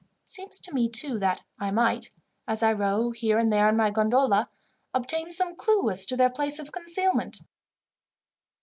It seems to me, too, that I might, as I row here and there in my gondola, obtain some clue as to their place of concealment."